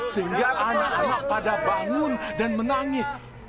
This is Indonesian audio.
sehingga anak anak pada bangun dan menangis